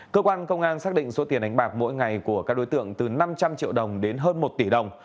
cơ quan công an xác định số tiền đánh bạc mỗi ngày của các đối tượng từ năm trăm linh triệu đồng đến hơn một tỷ đồng